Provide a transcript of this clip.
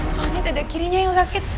soalnya dada kirinya yang sakit